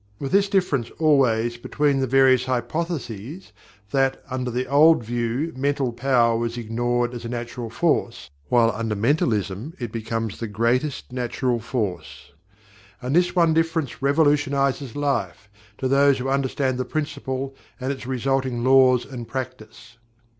With this difference, always, between the various hypotheses that under the old views Mental Power was ignored as a Natural Force, while under Mentalism it becomes the Greatest Natural Force. And this one difference revolutionizes Life, to those who understand the Principle and its resulting laws and practice.